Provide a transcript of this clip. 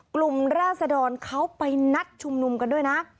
ราศดรเขาไปนัดชุมนุมกันด้วยนะ